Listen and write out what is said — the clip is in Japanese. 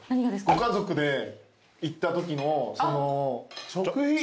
ご家族で行ったときの。